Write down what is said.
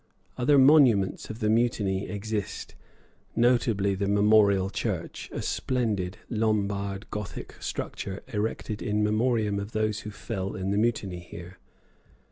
Other monuments of the mutiny exist, notably the Memorial Church, a splendid Lombard Gothic structure erected in memoriam of those who fell in the mutiny here.